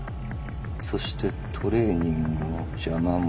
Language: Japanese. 「そしてトレーニングの邪魔も。